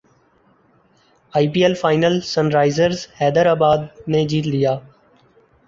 ائی P L final Sunrisers Hyderabad نے جیت لیا